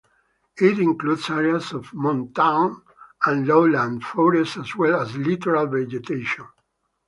It includes areas of montane and lowland forest as well as littoral vegetation.